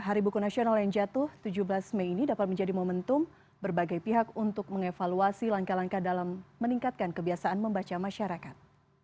hari buku nasional yang jatuh tujuh belas mei ini dapat menjadi momentum berbagai pihak untuk mengevaluasi langkah langkah dalam meningkatkan kebiasaan membaca masyarakat